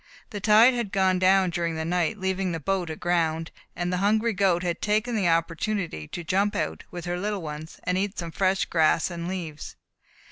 The tide had gone down during the night, leaving the boat aground, and the hungry goat had taken that opportunity to jump out, with her little ones, and eat some fresh grass and leaves.